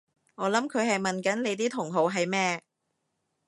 我諗佢係問緊你啲同好係咩？